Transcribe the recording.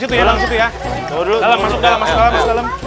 turun dulu masuk dalam